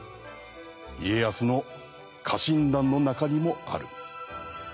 家康の家臣団の中にもある。